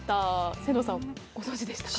千堂さんご存じでしたか？